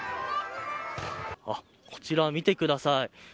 こちら、見てください。